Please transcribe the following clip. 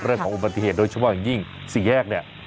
เรื่องของอุบัติเหตุโดยเฉพาะอย่างยิ่งสี่แยกเนี่ย